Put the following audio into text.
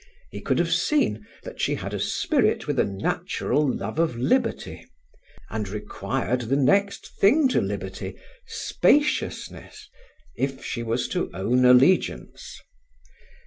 He could have seen that she had a spirit with a natural love of liberty, and required the next thing to liberty, spaciousness, if she was to own allegiance.